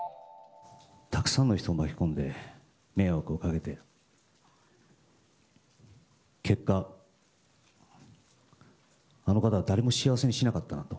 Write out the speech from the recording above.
たくさんの人を巻き込んで迷惑をかけて、結果、あの方は誰も幸せにしなかったなと。